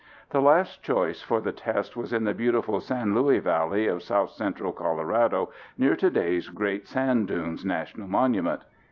The last choice for the test was in the beautiful San Luis Valley of south central Colorado, near today's Great Sand Dunes National Monument.